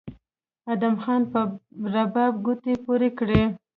ادم خان په رباب ګوتې پورې کړې